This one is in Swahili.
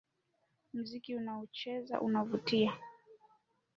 Mziki anaoucheza unavutia